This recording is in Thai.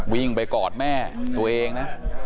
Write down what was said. วิ่งไปกอดแม่ตัวเองนะ